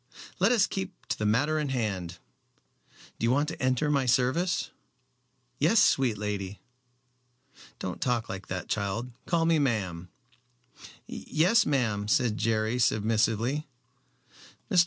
"Let us keep to the matter in hand. Do you want to enter my service?" "Yes, sweet lady." "Don't talk like that, child. Call me ma'am." "Yes, ma'am," said Jerry, submissively. "Mr.